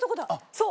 そう！